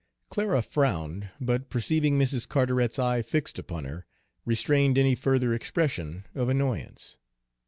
Clara frowned, but perceiving Mrs. Carteret's eye fixed upon her, restrained any further expression of annoyance.